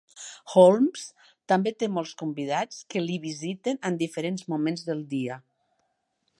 Holmes també té molts convidats que li visiten en diferents moments del dia.